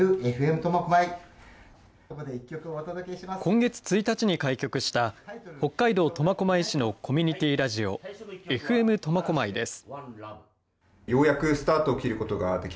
今月１日に開局した北海道苫小牧市のコミュニティーラジオ、ＦＭとまこまいです。